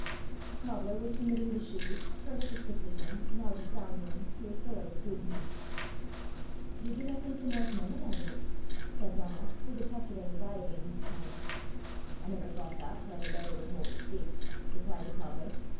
The cobbler was submitting the shoes, first the sickly one, now the sound one, to a thorough scrutiny. "Ye dinna think them worth men'in', I doobt!" said Donal, with a touch of anxiety in his tone. "I never thoucht that whaur the leather wad haud the steek," replied the cobbler.